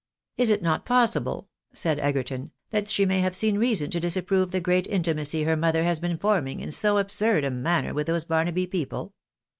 " Is it not possible," said Egerton, " that she may have seen reason to disapprove the great intimacy her mother has been forming in so absurd a manner with those Barnaby people?